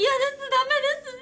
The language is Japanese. ダメです